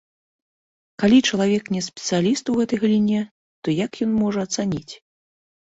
Калі чалавек не спецыяліст у гэтай галіне, то як ён можа ацаніць?